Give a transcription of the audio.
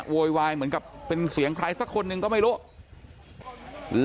โวยวายเหมือนกับเป็นเสียงใครสักคนหนึ่งก็ไม่รู้